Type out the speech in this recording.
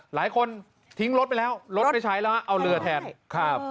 หลายคนทิ้งรถไปแล้วรถไม่ใช้แล้วฮะเอาเรือแทนครับ